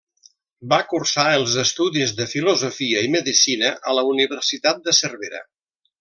Va cursar els estudis de Filosofia i Medicina a la Universitat de Cervera.